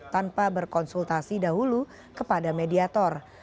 tanpa berkonsultasi dahulu kepada mediator